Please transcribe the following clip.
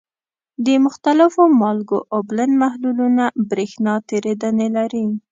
د مختلفو مالګو اوبلن محلولونه برېښنا تیریدنې لري.